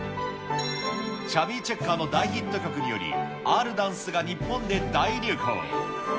チャビー・チェッカーの大ヒット曲により、あるダンスが日本で大流行。